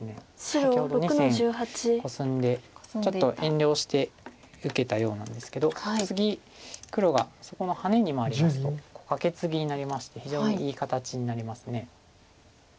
先ほど２線コスんでちょっと遠慮して受けたようなんですけど次黒がそこのハネに回りますとカケツギになりまして非常にいい形になります。